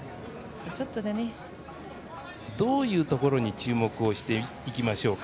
どういうところに注目していきましょうか。